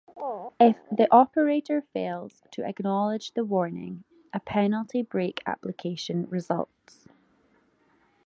If the operator fails to acknowledge the warning, a penalty brake application results.